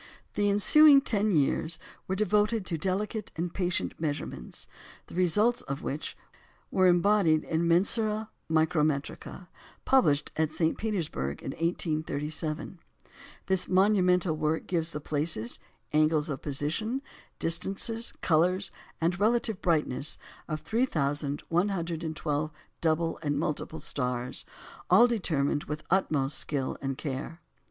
The ensuing ten years were devoted to delicate and patient measurements, the results of which were embodied in Mensuræ Micrometricæ, published at St. Petersburg in 1837. This monumental work gives the places, angles of position, distances, colours, and relative brightness of 3,112 double and multiple stars, all determined with the utmost skill and care.